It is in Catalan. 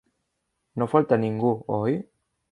No falta ningú, oi?